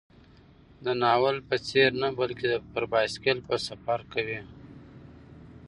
د ناول په څېر نه، بلکې پر بایسکل به سفر کوي.